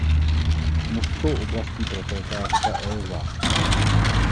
Městskou oblastí protéká řeka Elsa.